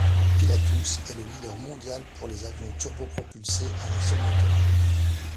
Pilatus est le leader mondial pour les avions turbo-propulsés à un seul moteur.